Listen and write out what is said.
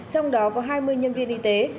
trong đó có hai mươi nhân viên y tế